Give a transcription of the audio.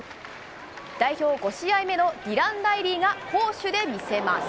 代表５試合目のディラン・ライリーが攻守で見せます。